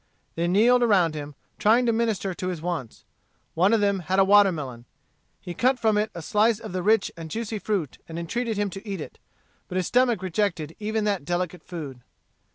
They kneeled around him, trying to minister to his wants. One of them had a watermelon. He cut from it a slice of the rich and juicy fruit, and entreated him to eat it. But his stomach rejected even that delicate food.